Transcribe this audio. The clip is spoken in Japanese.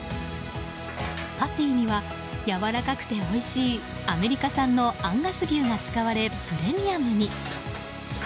パティにはやわらかくておいしいアメリカ産のアンガス牛が使われプレミアムに。